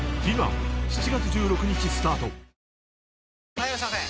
はいいらっしゃいませ！